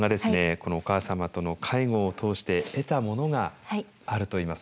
このお母様との介護を通して得たものがあるといいます。